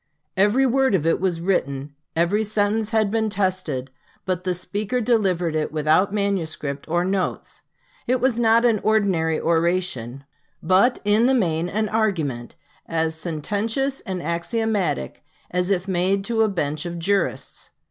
Every word of it was written, every sentence had been tested; but the speaker delivered it without manuscript or notes. It was not an ordinary oration, but, in the main, an argument, as sententious and axiomatic as if made to a bench of jurists.